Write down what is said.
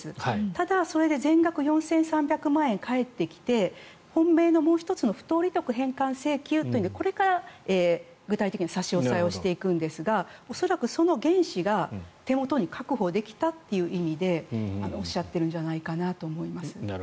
ただ、それで全額４３００万円返ってきて本命のもう１つの不当利得返還請求というのでこれから具体的に差し押さえをしていくんですが恐らく、その原資が手元に確保できたという意味でおっしゃってるんじゃないかと。